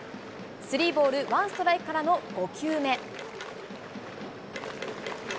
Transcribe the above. スリーボール、ワンストライクからの５球目。